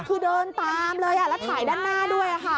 คือเดินตามเลยแล้วถ่ายด้านหน้าด้วยค่ะ